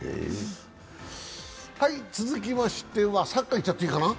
続きましてはサッカーいっちゃっていいかな。